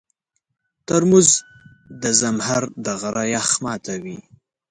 ترموز د زمهر د غره یخ ماتوي.